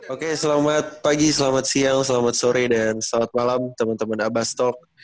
oke selamat pagi selamat siang selamat sore dan selamat malam temen temen abastalk